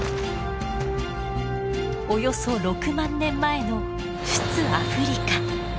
およそ６万年前の出・アフリカ。